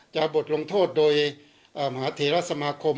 บทลงโทษโดยมหาเทราสมาคม